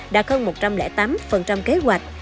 đạt hơn một trăm linh tám kế hoạch